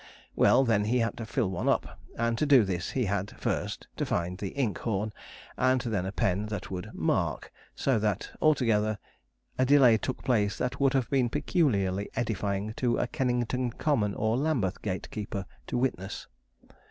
Well, then he had to fill one up, and to do this he had, first, to find the ink horn, and then a pen that would 'mark,' so that, altogether, a delay took place that would have been peculiarly edifying to a Kennington Common or Lambeth gate keeper to witness.